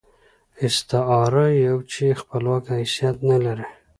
استعاره يو چې خپلواک حيثيت نه لري.